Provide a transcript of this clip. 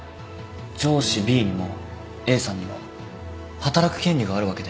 上司ＢにもＡさんにも働く権利があるわけで。